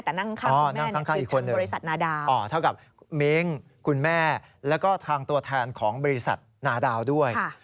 แต่นั่งข้างคุณแม่คือบริษัทนาดาว